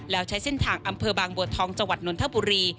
แล้วใช้เส้นทางอำเภอบางบัวทองจังหวัดนนทบุรี